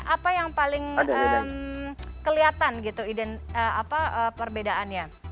apa yang paling kelihatan gitu perbedaannya